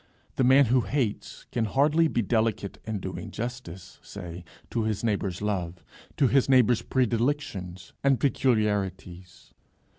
The man who hates can hardly be delicate in doing justice, say to his neighbour's love, to his neighbour's predilections and peculiarities.